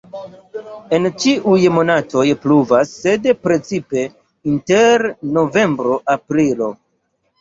En ĉiuj monatoj pluvas, sed precipe inter novembro-aprilo.